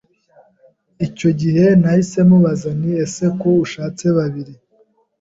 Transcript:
icyo gihe nahise mubaza nti ese ko ushatse babiri